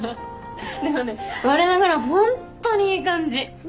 でもねわれながらホントにいい感じ。